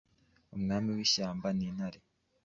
Umwami w’ishyamba ni Intare,